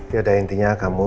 ya udah intinya kamu